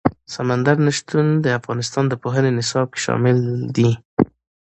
سمندر نه شتون د افغانستان د پوهنې نصاب کې شامل دي.